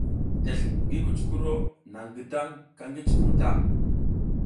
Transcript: Tesl ngi kucukuro naƞ gidang ka ki cuvun ta.